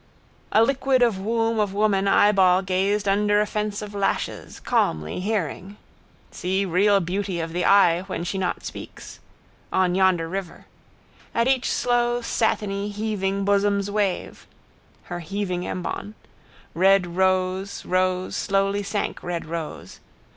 A liquid of womb of woman eyeball gazed under a fence of lashes, calmly, hearing. See real beauty of the eye when she not speaks. On yonder river. At each slow satiny heaving bosom's wave (her heaving embon) red rose rose slowly sank red rose.